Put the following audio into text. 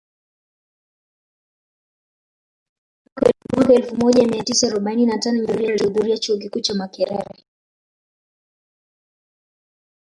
Mwaka elfu moja mia tisa arobaini na tano Nyerere alihudhuria Chuo Kikuu cha Makerere